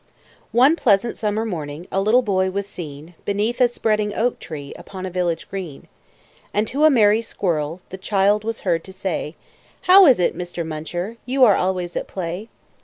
One pleasant summer morning A little boy was seen Beneath a spreading oak tree Upon a village green. And to a merry squirrel The child was heard to say "How is it, Mr. Muncher, You always are at play?"